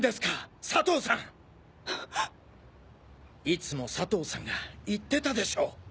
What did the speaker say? いつも佐藤さんが言ってたでしょ。